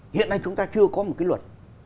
hiện nay chúng ta chưa có một cái luật